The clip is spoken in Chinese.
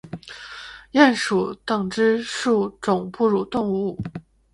鼹属等之数种哺乳动物。